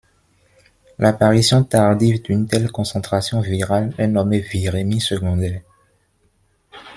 L'apparition tardive d'une telle concentration virale est nommée virémie secondaire.